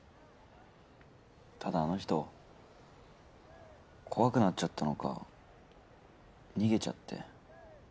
ただあの人怖くなっちゃったのか逃げちゃって。